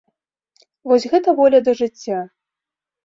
Вось гэта воля да жыцця!